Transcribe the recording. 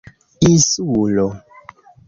insulo